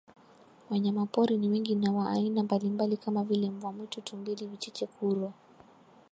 Wanyamapori ni wengi na wa aina mbalimbali kama vile mbwa mwitu Tumbili vicheche kuro